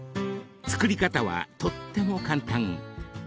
［作り方はとっても簡単］